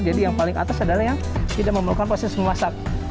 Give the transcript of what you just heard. jadi yang paling atas adalah yang tidak memerlukan proses memasak